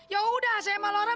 ya udah saya malah orang